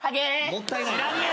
もったいない。